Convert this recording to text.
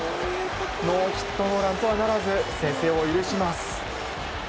ノーヒットノーランとはならず先制を許します。